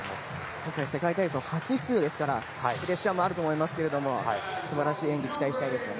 今回、世界体操初出場ですからプレッシャーもあると思いますが素晴らしい演技を期待したいですね。